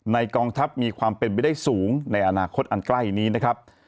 กองทัพมีความเป็นไปได้สูงในอนาคตอันใกล้นี้นะครับ